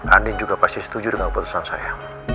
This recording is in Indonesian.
andin juga pasti setuju dengan putusan saya